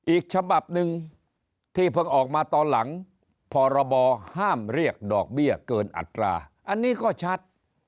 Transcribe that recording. อีกฉบับหนึ่งที่เพิ่งออกมาตอนหลังพรบห้ามเรียกดอกเบี้ยเกินอัตราอันนี้ก็ชัด